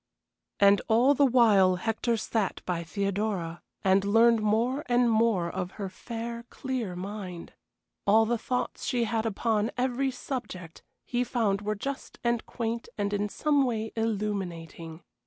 And all the while Hector sat by Theodora, and learned more and more of her fair, clear mind. All the thoughts she had upon every subject he found were just and quaint and in some way illuminating.